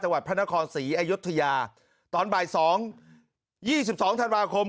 จังหวัดพนครสีอายุธยาตอนบ่ายสองยี่สิบสองธันวาคม